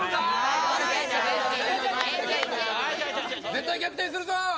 絶対逆転するぞ！